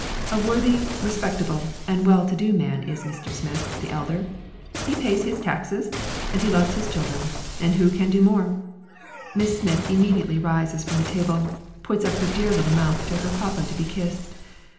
A worthy, respectable, and well to do man is Mr. Smith, the elder; he pays his taxes and he loves his children, and who can do more? Miss Smith immediately rises from the table, puts up her dear little mouth to her papa to be kissed.